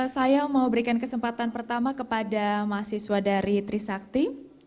saya mau berikan kesempatan pertama kepada mahasiswa dari trisakti